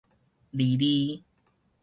離離